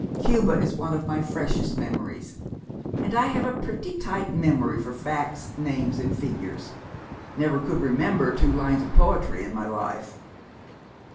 Cuba is one of my freshest memories; and I have a pretty tight memory for facts, names and figures. Never could remember two lines of poetry in my life.'